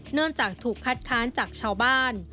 เนื่องจากถูกคัดค้านจากชาวบ้าน